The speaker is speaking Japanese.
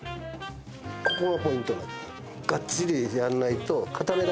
ここがポイントなんです